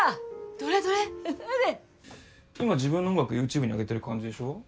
ほれ今自分の音楽ＹｏｕＴｕｂｅにあげてる感じでしょ？